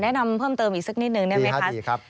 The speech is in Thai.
แนะนำเพิ่มเติมอีกสักนิดนึงได้ไหมคะ